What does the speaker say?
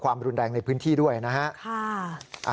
ความรุนแรงในพื้นที่ด้วยนะฮะ